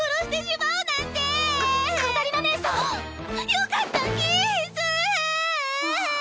よかったキース！